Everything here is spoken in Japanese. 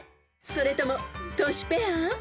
［それともトシペア？］